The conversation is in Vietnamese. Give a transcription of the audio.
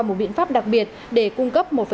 một biện pháp đặc biệt để cung cấp